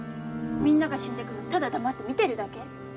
みんなが死んでくのただ黙って見てるだけ？